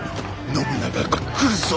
信長が来るぞ。